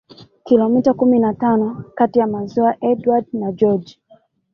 Kilomita kumi na tano kati ya maziwa Edward na George